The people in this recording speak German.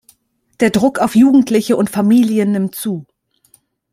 Der Druck auf Jugendliche und Familien nimmt zu.